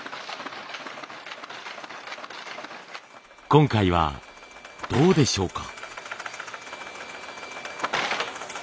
今回はどうでしょうか。